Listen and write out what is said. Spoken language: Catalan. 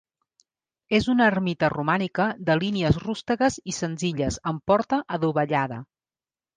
És una ermita romànica de línies rústegues i senzilles amb porta adovellada.